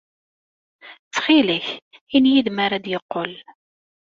Ttxil-k, ini-iyi-d mi ara d-yeqqel.